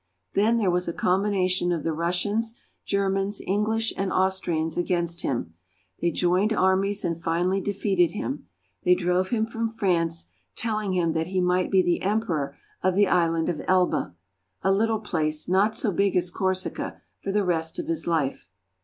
Then there was a combination of the Rus sians, Germans, English, and Austrians against him ; they joined armies and finally defeated him. They drove him from France, telling him that he might be the emperor of the island of Elba, a little place not so big as Corsica, for the rest of his life.